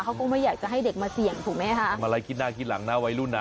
เขาก็ไม่อยากจะให้เด็กมาเสี่ยงถูกไหมคะทำอะไรคิดหน้าคิดหลังนะวัยรุ่นอ่ะ